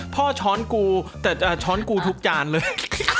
ช้อนกูแต่จะช้อนกูทุกจานเลย